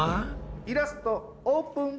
イラストオープン！